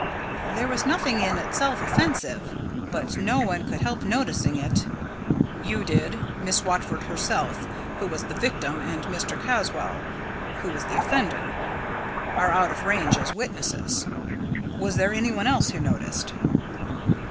"There was nothing in itself offensive; but no one could help noticing it." "You did. Miss Watford herself, who was the victim, and Mr. Caswall, who was the offender, are out of range as witnesses. Was there anyone else who noticed?"